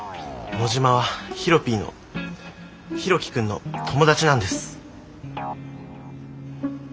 野嶋はヒロピーの博喜くんの友達なんです。